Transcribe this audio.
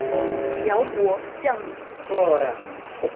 辽国将领。